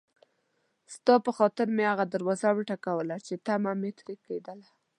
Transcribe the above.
ستا په خاطر مې هغه دروازه وټکوله چې طمعه مې ترې کېدله.